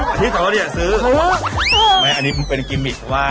อาทิตย์เถอะเนี่ยซื้อแม่อันนี้เป็นกิมมิตรว่า